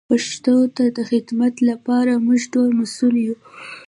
پښتو ته د خدمت لپاره موږ ټول مسئول یو.